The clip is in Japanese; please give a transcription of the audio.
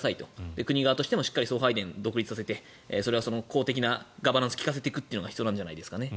国側としても、しっかり送配電を独立させて、それは公的なガバナンスを利かせていくのが必要なんじゃないですかね。